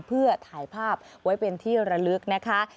เพื่อถ่ายภาพไว้เป็นที่ระลึกนะคะ